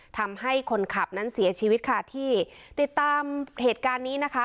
ทำให้คนขับนั้นเสียชีวิตค่ะที่ติดตามเหตุการณ์นี้นะคะ